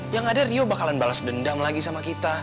yang ada rio bakalan balas dendam lagi sama kita